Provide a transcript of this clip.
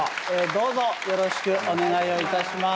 どうぞよろしくお願いをいたします。